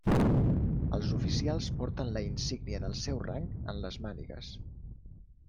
Els oficials porten la insígnia del seu rang en les mànigues.